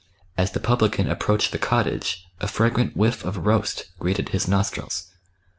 As the publican approached the cottage a fragrant whiflf of roast greeted his nostrils.